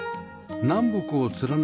南北を貫く通り